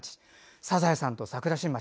「サザエさん」と桜新町